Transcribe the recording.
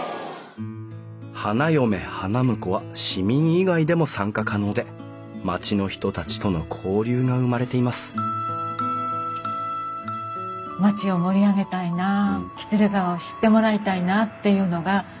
花嫁花婿は市民以外でも参加可能で町の人たちとの交流が生まれています町を盛り上げたいな喜連川を知ってもらいたいなっていうのがみんなの思い。